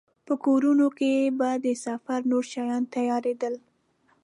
په کورونو کې به د سفر نور شیان تيارېدل.